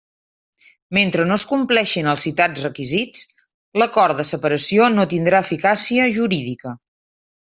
Mentre no es compleixin els citats requisits, l'acord de separació no tindrà eficàcia jurídica.